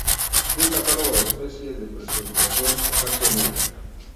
Un catálogo de especies de presentación ocasional.